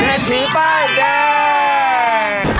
แค่ที่เปิดได้